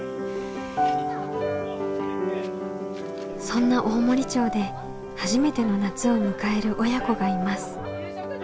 そんな大森町で初めての夏を迎える親子がいます。